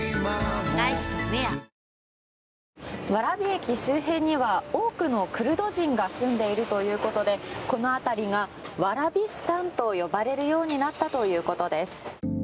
蕨駅周辺には多くのクルド人が住んでいるということでこの辺りがワラビスタンと呼ばれるようになったということです。